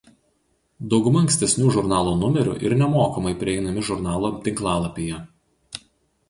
Dauguma ankstesnių žurnalo numerių ir nemokamai prieinami žurnalo tinklalapyje.